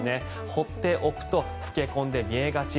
放っておくと老け込んで見えがち。